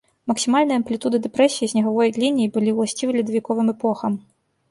Максімальныя амплітуды дэпрэсіі снегавой лініі былі ўласцівы ледавіковым эпохам.